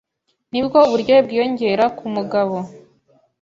nibwo uburyohe bwiyongera kumugabo